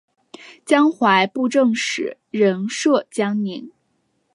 江淮布政使仍设江宁。